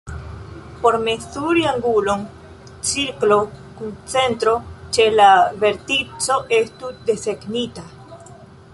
Por mezuri angulon, cirklo kun centro ĉe la vertico estu desegnita.